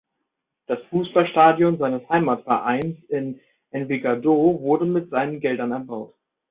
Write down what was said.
Das Fußballstadion seines Heimatvereins in Envigado wurde mit seinen Geldern erbaut.